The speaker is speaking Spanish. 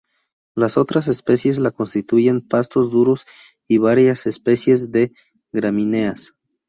Las otras especies la constituyen pastos duros y varias especies de gramíneas.